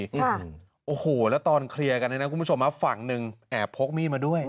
โอ้โหแล้วตอนเคลียร์กันเนี่ยนะคุณผู้ชมฮะฝั่งหนึ่งแอบพกมีดมาด้วย